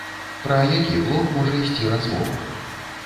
Пра які блок можа ісці размова?